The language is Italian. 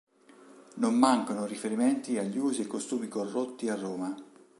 Non mancano riferimenti agli usi e costumi corrotti a Roma.